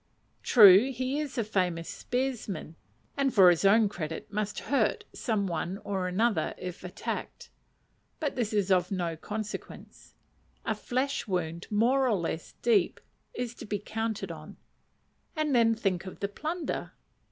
True, he is a famous spearsman, and for his own credit must "hurt" some one or another if attacked. But this is of no consequence: a flesh wound more or less deep is to be counted on; and then think of the plunder!